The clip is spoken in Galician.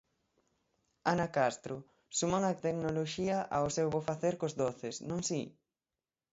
Ana Castro, suman a tecnoloxía ao seu bo facer cos doces, non si?